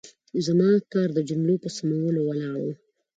زما کار د جملو په سمولو ولاړ و.